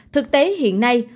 thực tế hiện nay